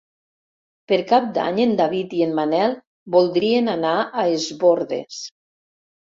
Per Cap d'Any en David i en Manel voldrien anar a Es Bòrdes.